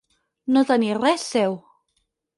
No tenir res seu.